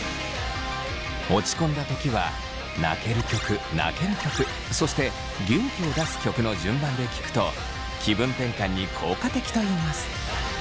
落ち込んだ時は泣ける曲泣ける曲そして元気を出す曲の順番で聴くと気分転換に効果的といいます。